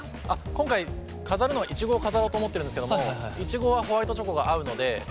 今回飾るのはイチゴを飾ろうと思ってるんですけどもイチゴはホワイトチョコが合うのでホワイトチョコにしてます。